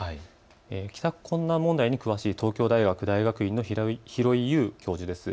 帰宅困難問題に詳しい東京大学大学院の廣井悠教授です。